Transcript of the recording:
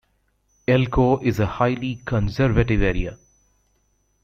Elko is a highly conservative area.